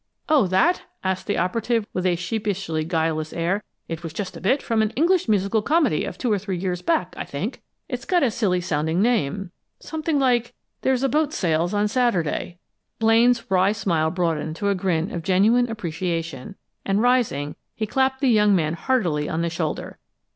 "Oh, that?" asked the operative, with a sheepishly guileless air. "It was just a bit from an English musical comedy of two or three years back, I think. It's got a silly sounding name something like 'There's a Boat Sails on Saturday '" Blaine's wry smile broadened to a grin of genuine appreciation, and rising, he clapped the young man heartily on the shoulder.